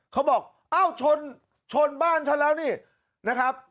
เขาบอกเอ้าชนชนบ้านฉันแล้วนี่นะครับ